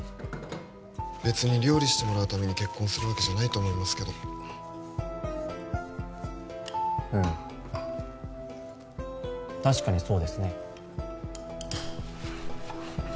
別に料理してもらうために結婚するわけじゃないと思いますけどうん確かにそうですね